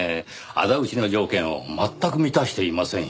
仇討ちの条件を全く満たしていませんよ。